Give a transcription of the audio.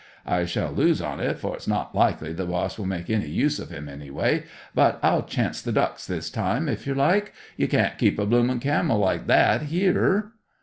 I shall lose on it, fer it's not likely the boss could make any use of 'im, anyway. But I'll chance the ducks this time, if yer like. You can't keep a bloomin' camel like that here."